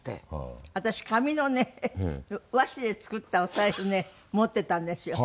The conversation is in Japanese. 私紙のね和紙で作ったお財布ね持ってたんですよ。